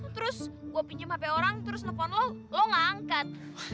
terus gue pinjem hp orang terus nelfon lo lo gak angkat